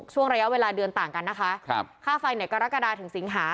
ช่วงระยะเวลาเดือนต่างกันนะคะครับค่าไฟเนี่ยกรกฎาถึงสิงหา